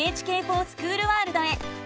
「ＮＨＫｆｏｒＳｃｈｏｏｌワールド」へ。